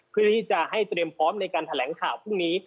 เพื่อที่จะให้เตรียมพร้อมในการแถลงข่าวพรุ่งนี้